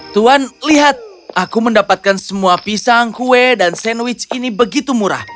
tuhan lihat aku mendapatkan semua pisang kue dan sandwich ini begitu murah